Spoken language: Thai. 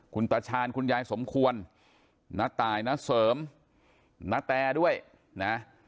คุณตาชาญคุณยายสมควรณตายณเสริมณแตด้วยนะ